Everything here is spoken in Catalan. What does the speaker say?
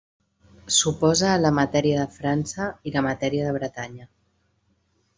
S'oposa a la matèria de França i la matèria de Bretanya.